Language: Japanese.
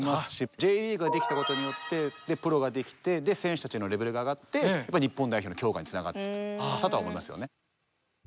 Ｊリーグが出来たことによってプロが出来てで選手たちのレベルが上がって日本代表の強化につながったとは思いますよね。